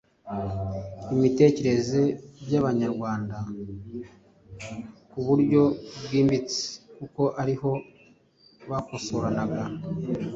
imitekerereze by’Abanyarwanda ku buryo bwimbitse kuko ari ho bakosoranaga ,